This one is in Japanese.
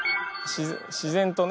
自然とね。